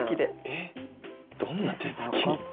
えっどんな手つき？